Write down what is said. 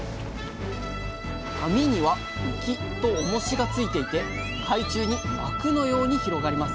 網には浮きと重しがついていて海中に幕のように広がります